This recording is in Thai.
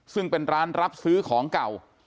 ซึ่งเป็นร้านรับซื้อของเก่า